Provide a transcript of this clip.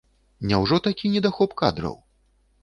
Няўжо такі недахоп кадраў?